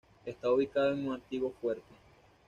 Está ubicado en un antiguo fuerte.